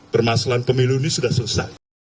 permasalahan pemilu ini sudah selesai